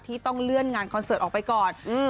ต้องเลื่อนงานคอนเสิร์ตออกไปก่อน